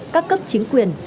các cấp chính quyền